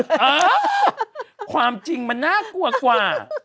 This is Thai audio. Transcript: เออความจริงมันน่ากลัวกว่า